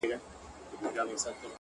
• له لمني یې د وینو زڼي پاڅي ,